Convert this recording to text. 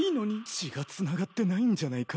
血がつながってないんじゃないか？